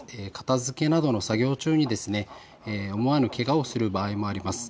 片づけなどの作業中に思わぬけがをする場合もあります。